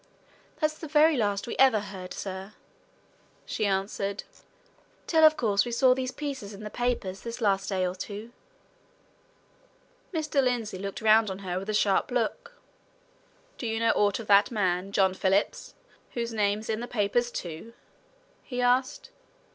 "That's the very last we ever heard, sir," she answered. "Till, of course, we saw these pieces in the papers this last day or two." Mr. Lindsey twisted round on her with a sharp look. "Do you know aught of that man, John Phillips, whose name's in the papers too?" he asked.